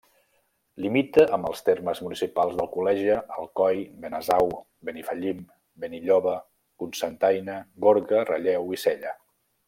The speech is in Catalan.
Limita amb els termes municipals d'Alcoleja, Alcoi, Benasau, Benifallim, Benilloba, Cocentaina, Gorga, Relleu i Sella.